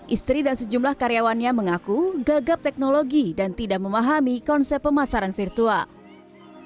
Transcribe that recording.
istri dan sejumlah karyawannya mengaku gagap teknologi dan tidak memahami konsep pemasaran virtual